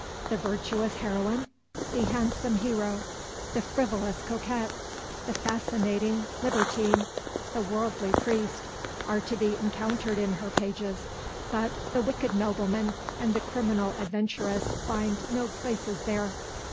The virtuous heroine, the handsome hero, the frivolous coquette, the fascinating libertine, the worldly priest, are to be encountered in her pages, but the wicked nobleman and the criminal adventuress find no places there.